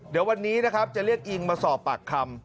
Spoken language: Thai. เดี๋ยววันนี้นะครับจะเรียกอิงมาสอบปากคำ